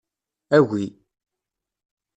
Agi.